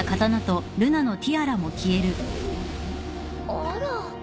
あら。